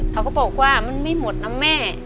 เขาก็บอกว่ามันไม่หมดนะแม่